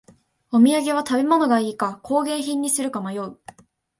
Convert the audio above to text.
お土産は食べ物がいいか工芸品にするか迷う